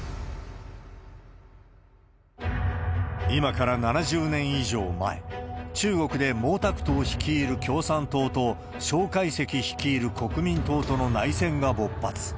今から７０年以上前、中国で毛沢東率いる共産党と、蒋介石率いる国民党との内戦が勃発。